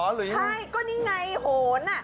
ใช่ก็นี่ไงโหน